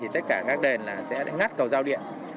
tất cả các đền sẽ ngắt cầu giao điện